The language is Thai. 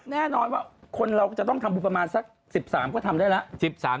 แน่นอนว่าคนเราก็จะต้องทำบุญประมาณสัก๑๓ก็ทำได้แล้ว